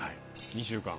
２週間。